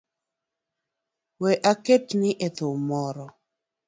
We aketni e thum moro.